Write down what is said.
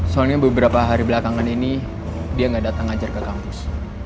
soalnya beberapa hari belakangan ini dia nggak datang ngajar ke kampus